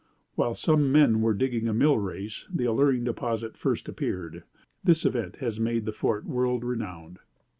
While some men were digging a mill race the alluring deposit first appeared. This event has made the Fort world renowned.